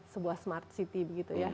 sebuah smart city begitu ya